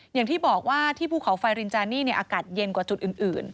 อย่างที่บอกว่าที่ภูเขาไฟรินจานี่อากาศเย็นกว่าจุดอื่น